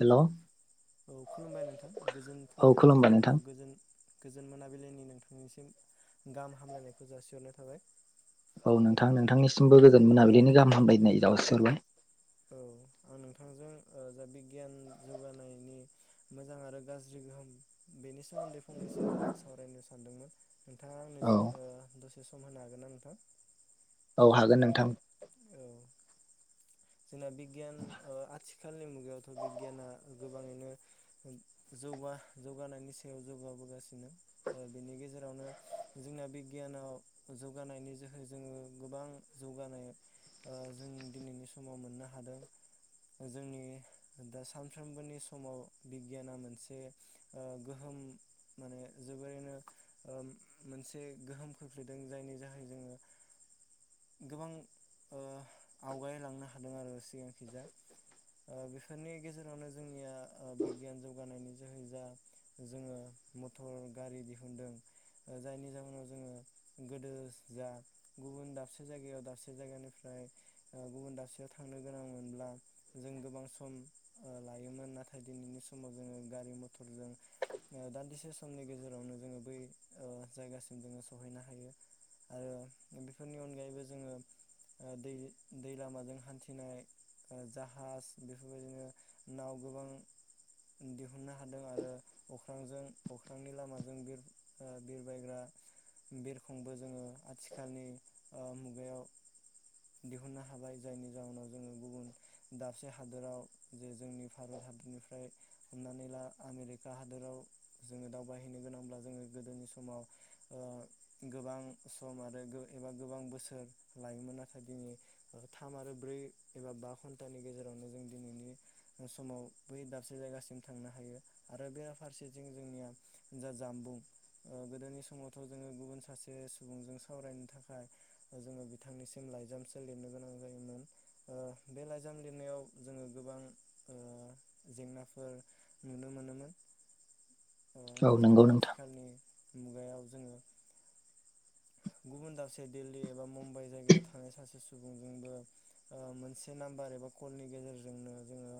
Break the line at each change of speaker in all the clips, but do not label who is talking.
हेल'
औ खुलुमबाय नोंथां गोजोन
औ
फुंबिलिनि
खुलुमबाय नोंथां
ओ गोजोन गोजोन मोनाबिलिनि नोंथांनिसिम गाहाम हामलायनायखौ जासिहरनाय थाबाय।
औ नोंथां नोंथांनिसिमबो गोजोन मोनाबिलिनि गाहाम हामबायनाय जावसिहरबाय।
औ आं नोंथांजों जा बिगियान जौगानायनि मोजां आरो गाज्रि गोहोम बेनि सोमोन्दै फंनैसो सावरायनो सानदोंमोन। नोंथाङा आंनो
औ
ओ दस एसे सम होनो हागोन ना नोंथां?
औ हागोन नोंथां।
औ जोंना बिगियान ओ आथिखालनि मुगायावथ' बिगियाना गोबाङैनो जौगा जौगानायनि सायाव जौगाबोगासिनो ओ बिनि गेजेरावनो जोंना बिगियानाव जौगानायनि जोहै जोङो गोबां जौगानाय ओ जों दिनैनि स समाव मोननो हादों जोंनि दा सानफ्रोमबोनि समाव बिगियाना मोनसे ओ गोहोम माने जोबोरैनो ओ मोनसे गोहोम खोख्लैदों जायनि जाहै जोङो गोबां ओ आवगायलांनो हा हादों आरो सिगांखि जा आ बेफोरनि गेजेरावनो जोंनिया आ बिगियान जौगानायनि जोहै जा जोङो मटर गारि दिहुनदों जायनि जाहोनाव जोङो गोदो जा गुबुन दाबसे जायगायाव दाबसे जायगानिफ्राय ओ गुबन दाबस बेयाव थांनो गोनां मोनब्ला जों गोबां सम ओ लायोमोन नाथाय दिनैनि समाव जोङो गारि मथरजों ओ दान्दिसे समनि गेजेरावनो जोङो बै ओ जायगासिम जोङो सहैनो हायो आरो बेफोरनि अनगायैबो जोङो ओ दै दै लामाजों हान्थिनाय ओ जाहाज बेफोरबायदिनो नाव गोबां दिहुननो हादों आरो अख्रांजों अख्रांनि लामाजों बिर बिरबायग्रा बिरखंबो जोङो आथिखालनि ओ मुगायाव दिहुननो हाबाय। जायनि जाहोनाव जोङो गुबुन दाबसे हादोराव जे जोंनि भारत हादरनिफ्राय हमनानै ला आमेरिका हादोराव जोङो दावबायहैनो गोनांब्ला जोङो गोदोनि समाव ओ गोबां सम आरो गो एबा गोबां बोसोर लायोमोन नाथाय दिनै थाम आरो ब्रै एबा बा घन्टानि गेजेरावनो जों दिनैनि समाव बै दाबसे जायगासिम थांनो हायो आरो बेराफारसेथिं जोंनिया जा जामबुं ओ गोदोनि समावथ' जोङो गुबुन सासे सुबुंजों सावरायनो थाखाय जोङो बिथांनिसिम लाइजामसो लिरनो गोनां जायोमोन ओ बे लाइजाम लिरनायाव जोङो गोबां ओ जेंनाफोर नुनो मोनोमोन। ओ
औ
नाथाय
नंगौ नोंथां
आथिखालनि मुगायाव जोङो गुबुन दाबसे दिल्ली एबा मुम्बाइ जायगायाव थानाय सासे सुबुंजोंबो ओ मोनसे नाम्बार एबा कलनि गेजेरजोंनो जोङो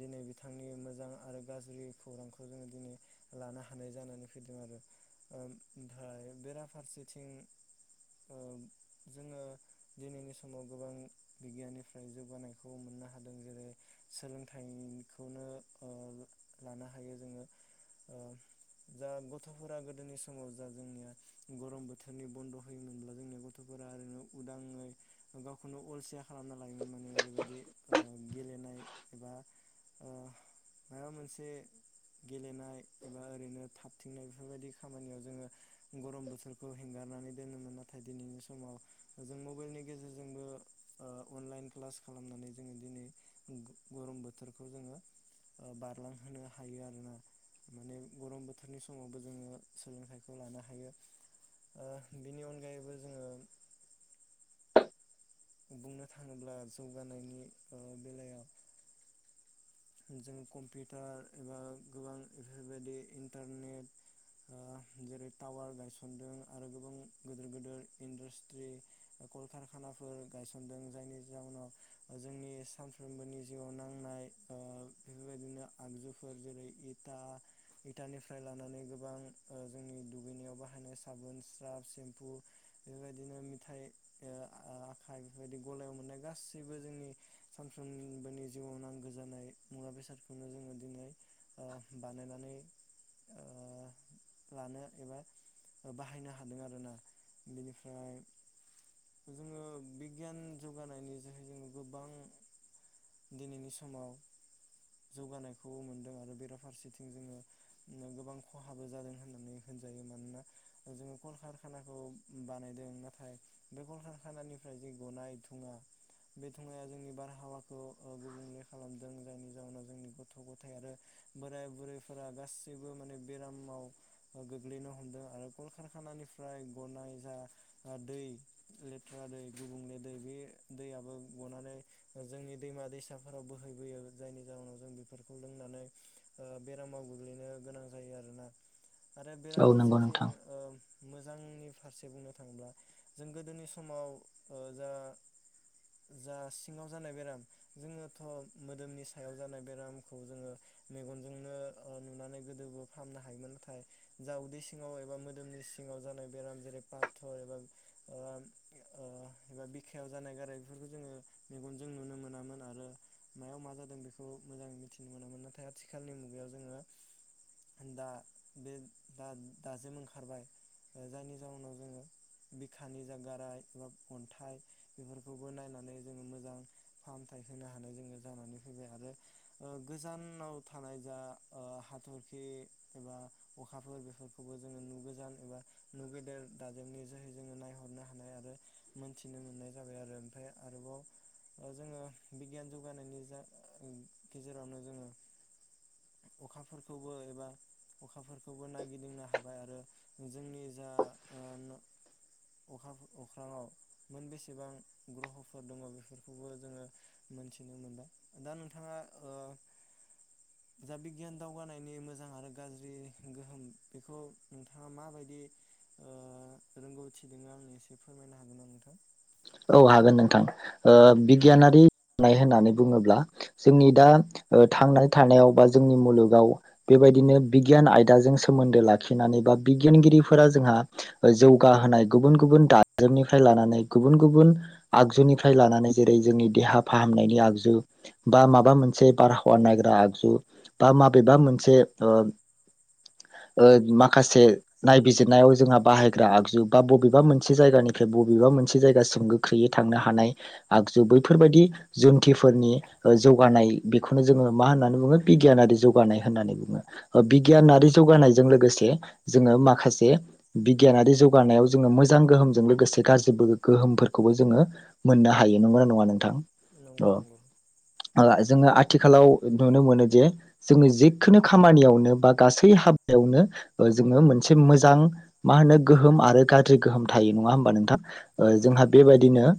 दिनै बिथांनि मोजां आरो गाज्रि खौरांखौ जोङो दिनै लानो हानाय जानानै फैदों आरो ओ ओमफाय बेराफारसेथिं ओ जोङो दिनैनि समाव गोबां बिगियाननिफ्राय जौगानायखौ मोननो हादों जेरै सोलोंथाइनिखौनो ओ लानो हायो जोङो ओ जा गथ'फोरा गोदोनि समाव जा जोंनिया गरम बोथो थोरनि बन्द' होयोमोनब्ला जोंनि गथ'फोरा ओरैनो उदाङै गावखौनो अलसिया खालामना लायोमोन माने ओरैबायदि ओ गेलेनाय एबा ओ मायबा मोनसे गेलेनाय एबा ओरैनो थाबथिंनाय बेफोरबायदि खामानियाव जोङो गरम बोथोरखो खौ हेंगारनानै दोनोमोन नाथाय दिनैनि समाव जों मबाइलनि गेजेरजोंबो ओ अनलाइन क्लास खालामनानै जोङो दिनै ग-गरम बोथोरखौ जोङो आ बारलांहोनो हायो आरोना माने गरम बोथोरनि समावबो जोङो सोलोंथाइखौ लानो हायो। ओ बिनि अनगायैबो जोङो बुंनो थाङोब्ला जौगानायनि ओ बेलायाव जों कम्पिउटार एबा गोबां एफोरबायदि इन्टारनेट ओ जेरै टावार गायसनदों आरो गोबां गोदोर गोदोर इन्डास्ट्रि कलकारखानाफोर गायसनदों जायनि जाउनाव ओ जोंनि सानफ्रोमबोनि जिउआव नांनाय ओ बेफोरबायदिनो आगजुफोर जेरै इटा इटानिफ्राय लानानै गोबां ओ जोंनि दुगैनायाव बाहायनाय साबोन स्राब सेम्फु बेफोरबायदिनो मिथाइ ओ आ आखाइ बेफोरबायदि गलायाव मोननाय गासैबो जोंनि सानफ्रोनिमबोनि जिउआव नांगो जा जानाय मुवा बेसादखौनो जोङो दिनै ओ बानायनानै ओ लानो एबा ओ बाहायनो हादों आरोना बिनिफ्राय जोङो बिगियान जौगानायनि जोहै जोङो गोबां दिनैनि स समाव जौगानायखौ मोनदों आरो बेराफारसेथिं जोङो गोबां खहाबो जादों होननानै होनजायो मानोना जोङो कलकारखानाखौ बानायदों नाथाय बे कलकारखानानिफ्राय जे गनाय धुङा बे धुङाया जोंनि बारहावाखौ ओ गुबुंले खालामदों जायनि जाउनाव जोंनि गथ' गथाय आरो बोराइ बुरैफोरा गासैबो माने बेरामाव ओ गोग्लैनो हमदों आरो कलकारखानानिफ्राय गनाय जा ओ दै लेथ्रा दै गुबुंले दै बे दैयाबो गनानै ओ जोंनि दैमा दैसा फोराव बोहैबोयो जायनि जाउनाव जों बेफोरखौ लोंनानै ओ बेरामाव गोग्लैनो गोनां जायो आरोना। आरो
औ नंगौ
बेराफारसेथिं
नोंथां
ओ मोजांनि फारसे बुंनो थाङोब्ला जों गोदोनि समाव ओ जा जा सिङाव जानाय बेराम जोङो थ' मोदोमनि सायाव जानाय बेरामखौ जोङो मेगनजोंनो ओ नुनानै गोदोबो फाहामनो हायोमोन नाथाय जा उदै सिङाव एबा मोदोमनि सिङाव जानाय बेराम जेरै पाथर एबा ओ ओ एबा बिखायाव जानाय गाराय बेफोरखौ जोङो मेगनजों नुनो मोनामोन आरो मायाव मा जादों बेखौ मोजां मिथिनो मोनामोन नाथाय आथिखालनि मुगायाव जोङो दा बे दा दाजेम ओंखारबाय ओ जायनि जाउनाव जोङो बिखानि जा गाराय एबा अन्थाइ बेफोरखौबो नायनानै जोङो मोजां फाहामथाय होनो हानाय जोङो जानानै फैबाय आरो ओ गोजानाव थानाय जा ओ हाथरखि एबा अखाफोर बेफोरखौबो जोङो नु गोजान एबा नु गेदेर दाजेमनि जोहै जोङो नायहरनो हानाय आरो मोनथिनो मोननाय जाबाय आरो ओमफाय आरोबाव ओ जोङो बिगियान जौगानायनि जा ओ गेजेरावनो जोङो अखाफोरखौबो एबा अखाफोरखौबो नायगिदिंनो हाबाय आरो जोंनि जा ओ न'अखा अख्राङाव मोन बेेसेबां ग्रह'फोर दङ बेफोरखौबो जोङो मोनथिनो मोनबाय दा नोंथाङा ओ जा बिगियान दावगानायनि मोजां आरो गाज्रि गोहोम बेखौ नोंथाङा माबायदि ओ रोंगौथि दोङो आंनो एसे फोरमायनो हागोन ना नोंथां?
औ हागोन नोंथां ओ बिगियानारि नाय होननानै बुङोब्ला जोंनि दा ओ थांनाय थानायाव बा जोंनि मुलुगाव बेबायदिनो बिगियान आयदाजों सोमोन्दो लाखिनानै बा बिगियानगिरिफोरा जोंहा ओ जौगाहोनाय गुबुन गुबुन दाजेमनिफ्राय लानानै गुबुन गुबुन आगजुनिफ्राय लानानै जेरै जोंनि देहा फाहामनायनि आगजु बा माबा मोनसे बारहावा नायग्रा आगजु बा माबेबा मोनसे ओ ओ माखासे नायबिजिरनायाव जोंहा बाहायग्रा आगजु बा बबेबा मोनसे जायगानिफ्राय बबेबा मोन से जायगासिम गोख्रैयै थांनो हानाय आगजु बैफोरबायदि, जुन्थिफोरनि ओ जौगानाय बेखौनो जोङो मा होननानै बुङो। बिगियानारि जौगानाय होननानै बुङो ओ बिगियानारि जौगानायजों लोगोसे जोङो माखासे बिगियानारि जौगानायाव जोङो मोजां गोहोमजों लोगोसे गाज्रिबो गोहोमफोरखौबो जोङो मोननो हायो नंगौना नङा नोंथां?
नंगौ
औ।
नंगौ
ओ जोङो आथिखालाव नुनो मोनो जे, जोनि जिखुनु खामानियावनो बा गासै हाबायावनो ओ जोङो मोनसे मोजां मा होनो गोहोम आरो गाज्रि गोहोम थायो नङा होमबा नोंथां? ओ
नंगौ
जोंहा
नंगौ
बेबायदिनो
थारैनो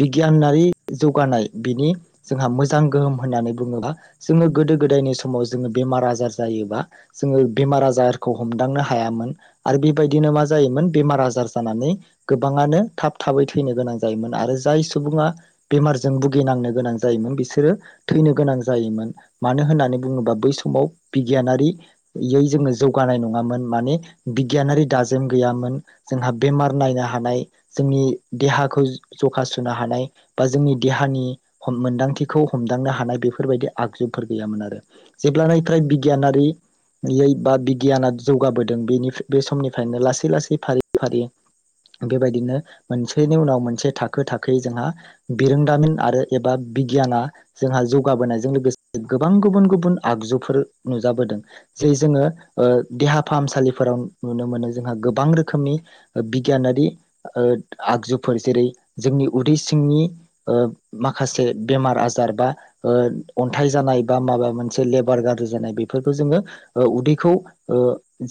बिगियानारि जौगानाय बिनि जोंहा मोजां गोहोम होननानै बुङोबा। जोङो गोदो गोदायनि समाव जोङो बेमार आजार जायोबा जोङो बेमार आजारखौ हमदांनो हायामोन आरो बेबायदिनो मा जायोमोन बेमार आजार जानानै गोबाङानो थाब थाबै थैनो गोनां जायोमोन, आरो जाय सुबुङा बेमारजों भुगिनांनो गोनां जायोमोन बिसोरो थैनो गोनां जायोमोन। मानो होननानै
नंगौ
बुङोबा
नंगौ
बै समाव बिगियानारियै जोङो जौगानाय नङामोन माने, बिगियानारि दाजेम गैयामोन जोंहा बेमार नायनो हानाय जोंनि देहाखौ जखा सुनो हानाय, बा जोंनि देहानि हम मोन्दांथिखौ हमदांनो हानाय बेफोरबायदि आगजुफोर गैयामोन आरो। जेब्लानायफ्राय बिगियानारियै बा बिगियाना जौगाबोदों बेनि बे समनिफ्रायनो लासै लासै फारि फारि बेबायदिनो मोनसेनि उनाव मोनसे थाखो थाखोयै जोंहा बिरोंदामिन आरो एबा बिगियाना, जोंहा जौगाबोनायजों लोगोसे गोबां गुबुन गुबुन आगजुफोर नुजाबोदों जे जोङो ओ देहा फाहामसालिफोराव नुनो मोनो। जोंहा गोबां रोखोमनि ओ बिगियानारि ओ आगजुफोर जेरै, जोंनि उदै सिंनि ओ माखासे बेमार आजार बा ओ अन्थाइ जानाय बा माबा मोनसे लेबार गाज्रि जानाय, बेफोरखौ जोङो ओ उदैखौ ओ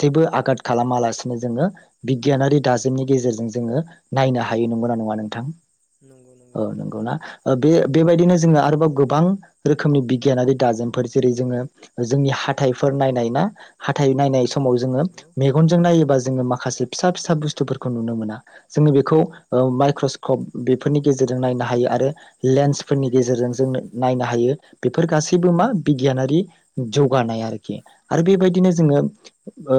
जेबो आघाद खालामालासिनो जोङो बिगियानारि दाजेमनि गेजेरजों जोङो नायनो हायो नंगौना नङा नोंथां?
नंगौ नंगौ
औ
नोंथां
नंगौना
थारैनो
ओ बे बेबायदिनो जोङो आरोबाव गोबां रोखोमनि बिगियानारि दाजेमफोर जेरै जोङो जोंनि हाथाइफोर नायनाय ना? हाथाय नायनाय
औ
समाव
औ
जोङो
नंगौ
मेगनजों नायोबा जोङो माखासे फिसा फिसा बुस्थुफोरखौ नुनो मोना। जोङो बेखौ ओ माइक्रस्कप बेफोरनि गेजेरजों नायनो हायो आरो, लेन्सफोरनि गेजेरजों जों नायनो हायो बेफोर गासैबो मा बिगियानारि जौगानाय आरोखि। आरो बेबायदिनो जोङो ओ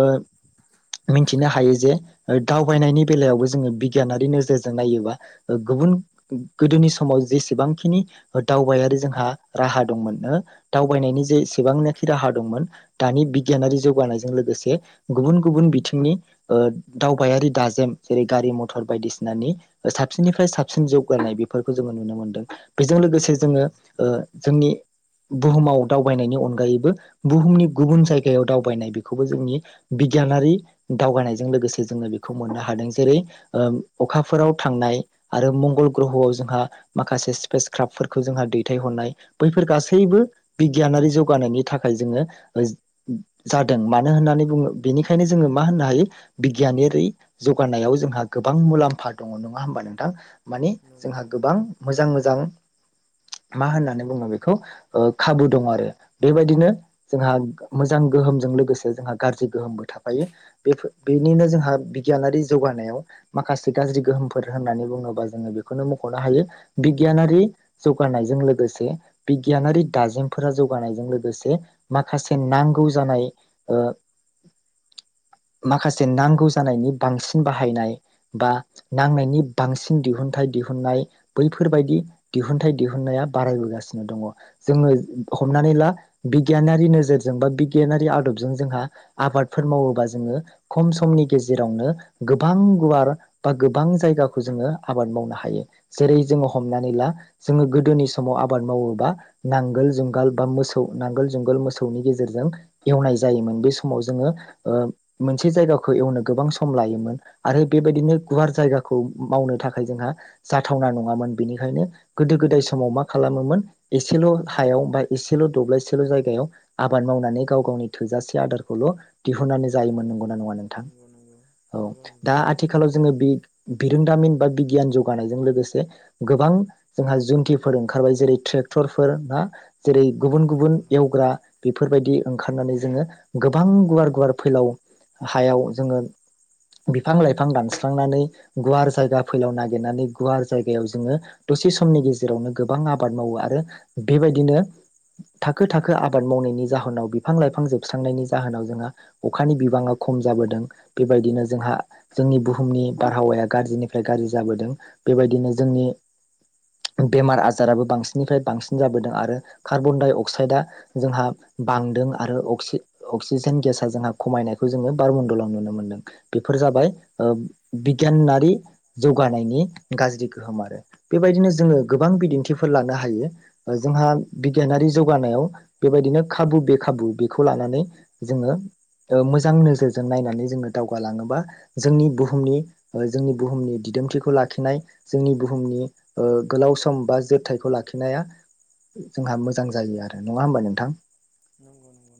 मिनथिनो हायो जे दावबायनायनि बेलायावबो जोङो बिगियानारि नोजोरजों नायोबा। ओ गुबुन गोदोनि समाव जेसेबांखिनि ओ दावबायारि जोंहा राहा दंमोननो दावबायनायनि जेसेबांनाखि राहा दंमोन। दानि बिगियानारि जौगानायजों लोगोसे गुबुन गुबुन बिथिंनि ओ दावबायारि दाजेम जेरै गारि मथ थर बायदिसिनानि ओ साबसिननिफ्राय साबसिन जौगानाय बेफोरखौ जोङो नुनो मोनदों। बेजों लोगोसे
नंगौ
जोङो
नंगौ
ओ जोंनि। बुहुमाव दावबायनायनि अनगायैबो। बुहुमनि गुबुन जायगायाव दावबायनाय बेखौबो जोंनि, बिगियानारि दावगानायजों लोगोसे जोङो बेखौ मोननो हादों। जेरै ओ अखाफोराव थांनाय, आरो मंगल ग्रह'आव जोंहा माखासे स्पेस क्राफ्फोरखौ जोंहा दैथायहरनाय बैफोर गासैबो बिगियानारि जौगानायनि थाखाय जोङो जादों। मानो होननानै बुङो बेनिखायनो जोङो मा होननो हायो बिगियानारि जौगानायाव जोंहा गोबां मुलाम्फा दङ नङा होमबा नोंथां? माने
नंगौ
जोंहा
नंगौ
गोबां मोजां-मोजां मा होननानै बुङो बेखौ ओ खाबु दं आरो। बेबायदिनो जोंहा गो मोजां गोहोमजों लोगोसे जोंहा गाज्रि गोहोमबो थाफायो। बेफो बेनिनो जोंहा बिगियानारि जौगानायाव माखासे गाज्रि गोहोमफोर होननानै बुङोबा। जोङो बेखौनो मख'नो हायो बिगियानारि जौगानायजों लोगोसे बिगियानारि दाजेमफोरा जौगानायजों लोगोसे, माखासे नांगौ जानाय माखासे नांगौ जानायनि बांसिन बाहायनाय बा नांनायनि बांसिन दिहुनथाइ दिहुननाय बैफोरबायदि दिहुनथाइ दिहुनन्नाया बारायबोगासिनो दङ, जोङो हमनानै ला बिगियानारि नोजोरजों बा बिगियानारि आदबजों जोंहा आबादफोर मावोबा जोङो खम समनि गेजेरावनो गोबां गुवार बा गोबां जायगाखौ जोङो आबाद मावनो हायो। जेरै जोङो हमनानै ला जोङो गोदोनि समाव आबाद मावोबा नांगोल जुंगाल बा मोसौ नांगोल जुंगाल मोसौनि गेजेरजों। एवनाय जायोमोन बे समाव जोङो मोनसे जायगाखौ एवनो गोबां सम लायोमोन। आरो बेबायदिनो गुवार जायगाखौ मावनो थाखाय जोंहा जाथावना नङामोन, बेनिखायनो गोदो गोदाय समाव मा खालामोमोन एसेल' हायाव बा एसेल' दब्लायसेल' जायगायाव आबाद मावनानै गाव गावनि थोजासे आदारखौल' दिहुननानै जायोमोन नंगौ। ना नङा नोंथां
नंगौ नंगौ नंगौ नंगौ
दा आथि जोङो बि बिरोंदामिन बा बिगियान जौगानायजों लोगोसे गोबां जोंहा जन्थिफोर ओंखारबाय जेरै ट्रेक्टरफोर ना? जेरै गुबुन
नंगौ नंगौ
गुबुन एवग्रा। बेफोरबायदि ओंखारनानै जोङो गोबां गुवार गुवार फैलाव हायाव जोङो बिफां लाइफां दानस स्रांनानै गुवार जायगा फैलाव नागिरनानै गुवार जायगायाव जोङो दसे समनि गेजेरावनो गोबां आबाद मावो आरो। बेबायदिनो थाखो थाखो आबाद मावनायनि जाहोनाव बिफां लाइफां जोबस्रांनायनि जाहोनाव जोंहा अखानि बिबाङा खम जाबोदों। बेबायदिनो जोंहा जोंनि बु बुहुमनि बारहावाया गाज्रिनिफ्राय गाज्रि जाबोदों। बेबायदिनो जोंनि बेमार आजाराबो बांसिननिफ्राय बांसिन जाबोदों, आरो कार्बन डाइ अक्साइदआ जोंहा बांदों आरो अ अक्सिजेन गेस जोंहा खमायनायखौ जोङो बारमडलाव नुनो मोनदों। बेफोर जाबाय बिगियानारि जौगानायनि गाज्रि गोहोम आरो। बेबायदिनो जोङो गोबां बिदिन्थिफोर लानो हायो जोंहा बिगियानारि जौगानायाव बेबायदिनो खाबु बे खाबु बेखौ लानानै जोङो मोजां नोजोरजों नायनानै जोङो दावगालाङोबा। जोंनि बुहुमनि जोंनि बुहुमनि दिदोमथिखौ लाखिनाय जोंनि बुहुमनि गोलाव सम बा जोरथथायखौ लाखिनाया। जोंहा मोजां जायो आरो नङा होमबा नोंथां?
नंगौ नंगौ।